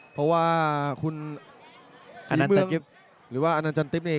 เพราะว่าคุณอันนันจันติมณี